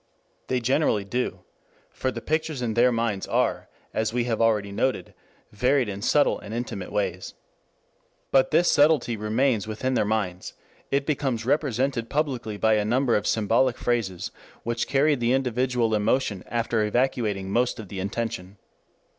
They generally do. For the pictures in their minds are, as we have already noted, varied in subtle and intimate ways. But this subtlety remains within their minds; it becomes represented publicly by a number of symbolic phrases which carry the individual emotion after evacuating most of the intention.